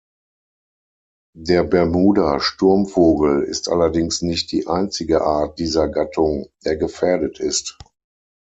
Der Bermuda-Sturmvogel ist allerdings nicht die einzige Art dieser Gattung, der gefährdet ist.